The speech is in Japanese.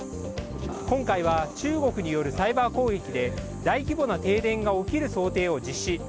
今回は中国によるサイバー攻撃で大規模な停電が起きる想定を実施。